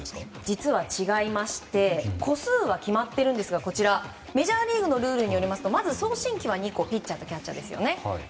実は違いまして個数は決まっているんですがメジャーリーグのルールによりますと送信機は２個ピッチャーとキャッチャー。